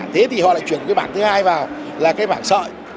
thế thì họ lại chuyển cái bảng thứ hai vào là cái bảng sợi